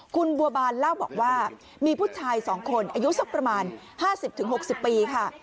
คุณบัวบานเล่าบอกว่ามีผู้ชาย๒คนอายุสักประมาณ๕๐๖๐ปีค่ะ